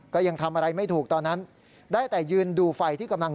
ก็ยังทำอะไรไม่ถูกตอนนั้น